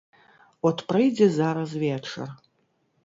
От прыйдзе зараз вечар.